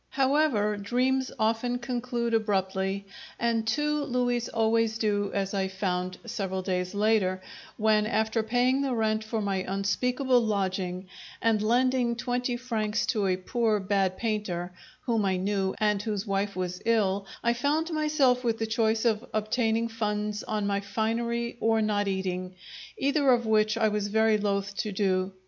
However, dreams often conclude abruptly, and two louis always do, as I found, several days later, when, after paying the rent for my unspeakable lodging and lending twenty francs to a poor, bad painter, whom I knew and whose wife was ill, I found myself with the choice of obtaining funds on my finery or not eating, either of which I was very loath to do.